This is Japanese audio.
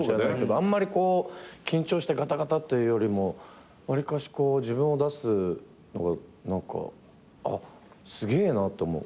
あんまり緊張してガタガタっていうよりもわりかし自分を出すのが何かすげえなって思う。